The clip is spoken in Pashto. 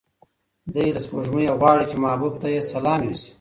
دی له سپوږمۍ غواړي چې محبوب ته یې سلام یوسي.